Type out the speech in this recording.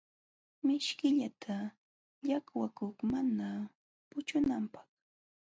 Mishkillata llaqwakuy mana puchunanpaq.